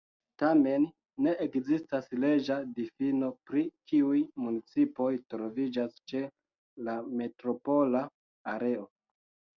Tamen, ne ekzistas leĝa difino pri kiuj municipoj troviĝas ĉe la metropola areo.